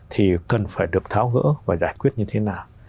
thì cần phải được tháo gỡ và giải quyết như thế nào